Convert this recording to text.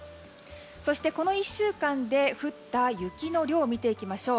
そしてこの１週間で降った雪の量を見ていきましょう。